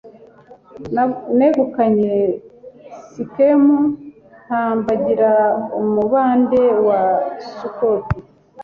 negukanye sikemu, ntambagira umubande wa sukoti